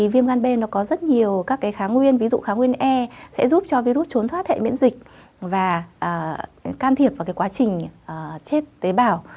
viêm gan b nó có rất nhiều các kháng nguyên ví dụ kháng nguyên e sẽ giúp cho virus trốn thoát hệ miễn dịch và can thiệp vào quá trình chết tế bào